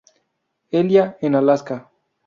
Elia, en Alaska.